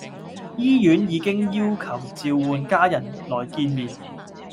醫院已經要求召喚家人來見面